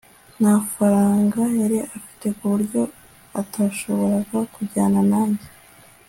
nta faranga yari afite, ku buryo atashoboraga kujyana nanjye